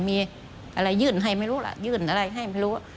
มีอะไรยื่นให้ไม่รู้ล่ะยื่นอะไรให้ไม่รู้